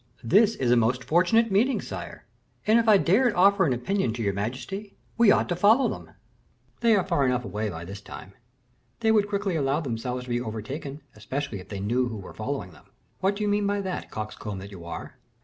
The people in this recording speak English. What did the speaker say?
"This is a most fortunate meeting, sire; and, if I dared offer an opinion to your majesty, we ought to follow them." "They are far enough away by this time." "They would quickly allow themselves to be overtaken, especially if they knew who were following them." "What do you mean by that, coxcomb that you are?"